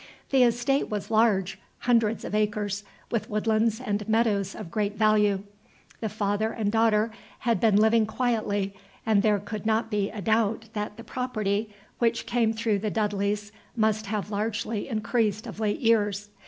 The estate was large, hundreds of acres, with woodlands and meadows of great value. The father and daughter had been living quietly, and there could not be a doubt that the property which came through the Dudleys must have largely increased of late years.